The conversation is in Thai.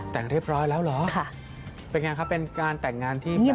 แต่งเรียบร้อยแล้วเหรอค่ะเป็นไงครับเป็นการแต่งงานที่แบบ